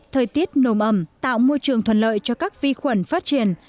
thời tiết nồm ẩm tạo môi trường thuận lợi cho các vi khuẩn phát triển